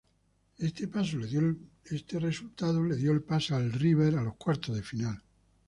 Este resultado le dio el pase a River a los cuartos de final.